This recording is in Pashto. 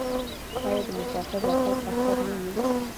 آیا د مسافر راتګ اختر نه وي؟